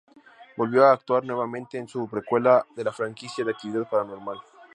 Volvió a actuar nuevamente en su precuela de la franquicia de Actividad Paranormal.